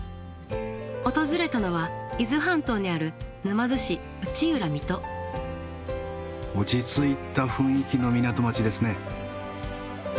訪れたのは伊豆半島にある落ち着いた雰囲気の港町ですね。